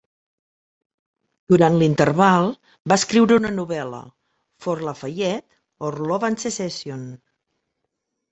Durant l'interval, va escriure una novel·la: "Fort Lafayette or, Love and Secession".